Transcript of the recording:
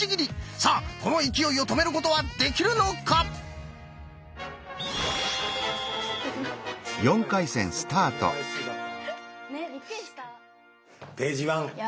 さあこの勢いを止めることはできるのか⁉ページワン！